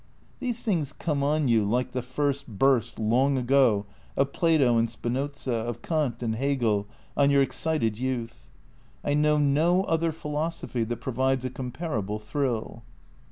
These things come on you like the first burst, long ago, of Plato and Spinoza, of Kant and Hegel, on your excited youth. I know no other philosophy that provides a comparable thrill.